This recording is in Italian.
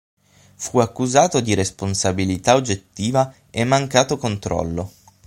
Fu accusato di "responsabilità oggettiva" e "mancato controllo".